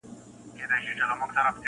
علم وویل زما ډیر دي آدرسونه-